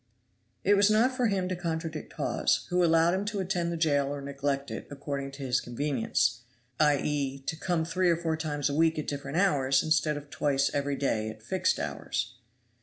It was not for him to contradict Hawes, who allowed him to attend the jail or neglect it, according to his convenience, i. e., to come three or four times a week at different hours, instead of twice every day at fixed hours.